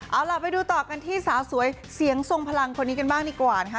เอาล่ะไปดูต่อกันที่สาวสวยเสียงทรงพลังคนนี้กันบ้างดีกว่านะคะ